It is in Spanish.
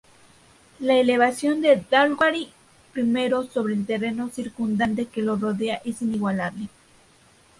La elevación del Dhaulagiri I sobre el terreno circundante que lo rodea es inigualable.